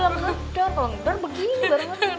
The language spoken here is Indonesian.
lu bilang dar dar begini barengan